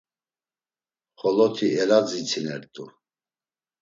Xoloti eladzitsinert̆u.